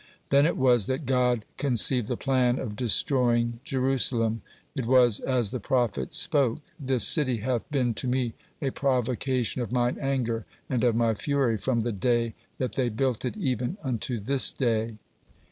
Then it was that God conceived the plan of destroying Jerusalem. It was as the prophet spoke: "This city hath been to me a provocation of mine anger and of my fury from the day that they built it even unto this day."